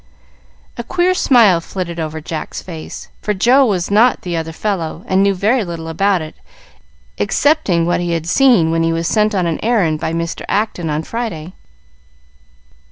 A queer smile flitted over Jack's face, for Joe was not the "other fellow," and knew very little about it, excepting what he had seen when he was sent on an errand by Mr. Acton on Friday.